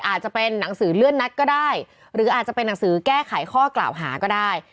อาจจะเป็นหนังสือเลื่อนนัดก็ได้หรืออาจจะเป็นหนังสือแก้ไขข้อกล่าวหาก็ได้